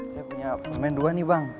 saya punya pemain dua nih bang